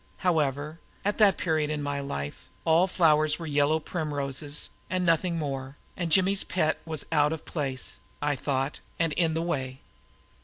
However, at that period in my life, all flowers were yellow primroses and nothing more, and Jimmy's pet was out of place, I thought, and in the way.